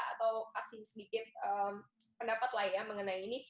atau kasih sedikit pendapatlah ya mengenai ini